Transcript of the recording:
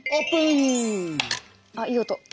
ああいい音。